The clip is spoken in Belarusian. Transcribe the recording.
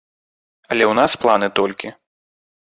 Але ў нас планы толькі.